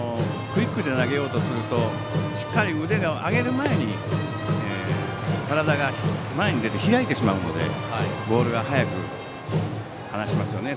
クイックで投げようとするとしっかり腕を上げる前に体が前に出て開いてしまうのでボールを早く放しますよね。